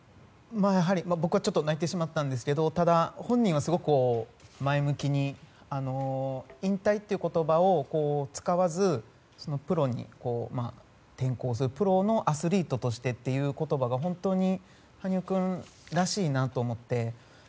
僕はちょっと泣いてしまったんですけどただ、本人はすごく前向きに引退という言葉を使わずプロに転向するプロのアスリートとしてという言葉が本当に羽生君らしいなと思って。